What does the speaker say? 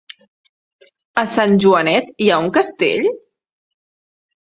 A Sant Joanet hi ha un castell?